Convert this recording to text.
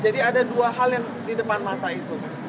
jadi ada dua hal yang di depan mata itu